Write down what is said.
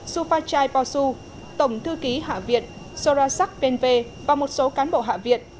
suphachai pausu tổng thư ký hạ viện sorasak benve và một số cán bộ hạ viện